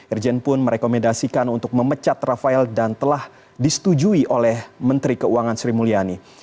irjen pun merekomendasikan untuk memecat rafael dan telah disetujui oleh menteri keuangan sri mulyani